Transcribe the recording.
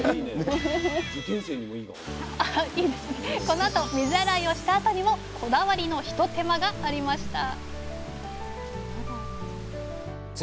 このあと水洗いをした後にもこだわりのひと手間がありました